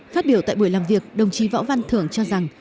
phát biểu tại buổi làm việc đồng chí võ văn thưởng cho rằng